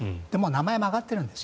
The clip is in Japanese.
名前も挙がってるんです。